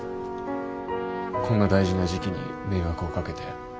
こんな大事な時期に迷惑をかけて。